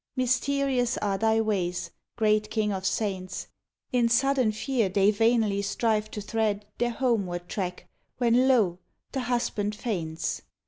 Mysterious are Thy ways, great King of saints In sudden fear they vainly strive to thread Their homeward track, when lo! the husband faints.